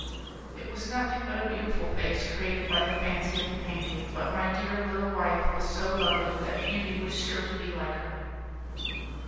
It was nothing but a beautiful face created by the fancy of the painter, but my dear little wife was so lovely that beauty was sure to be like her.